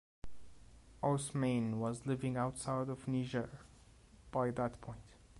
Ousmane was living outside of Niger by that point.